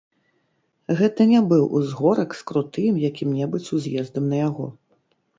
Гэта не быў узгорак з крутым якім-небудзь уз'ездам на яго.